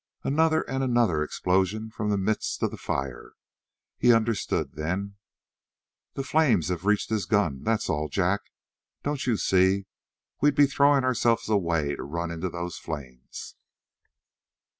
Another and another explosion from the midst of the fire. He understood then. "The flames have reached his guns. That's all, Jack. Don't you see? We'd be throwing ourselves away to run into those flames."